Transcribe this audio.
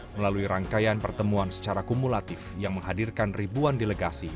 melalui rangkaian pertemuan secara kumulatif yang menghadirkan ribuan delegasi